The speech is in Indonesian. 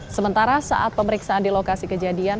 sementara saat pemeriksaan di lokasi kejadian